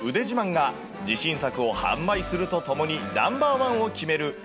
自慢が自信作を販売するとともに、ナンバー１を決める